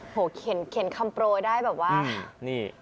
โอ้โหเข็นเข็นคำโปรได้แบบว่าอืมนี่